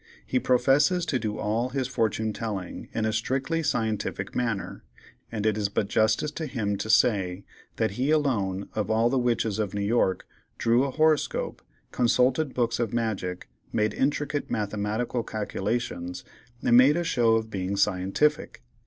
He professes to do all his fortune telling in a "strictly scientific" manner, and it is but justice to him to say, that he alone, of all the witches of New York, drew a horoscope, consulted books of magic, made intricate mathematical calculations, and made a show of being scientific.